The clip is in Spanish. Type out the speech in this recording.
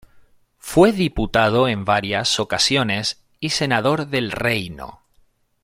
Fue diputado en varias ocasiones y senador del Reino.